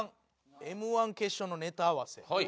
「Ｍ−１決勝のネタ合わせ」